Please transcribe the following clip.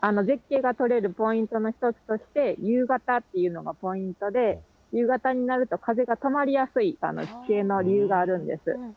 絶景が撮れるポイントの一つとして、夕方っていうのがポイントで、夕方になると、風が止まりやすい地形の理由があるんです。